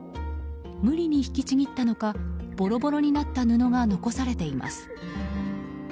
無理に引きちぎったのかボロボロになった布が残されています。